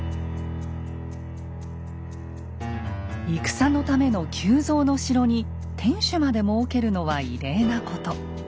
戦のための急造の城に天守まで設けるのは異例なこと。